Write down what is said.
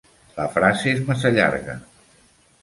La frase és massa llarga.